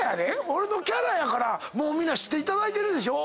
俺のキャラやからもう皆知っていただいてるでしょ。